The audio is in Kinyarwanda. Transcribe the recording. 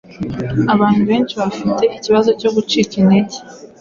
Abantu benshi bafite ikibazo cyo gucika intege